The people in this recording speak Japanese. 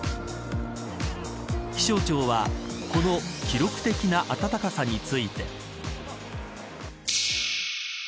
気象庁はこの記録的な暖かさについて。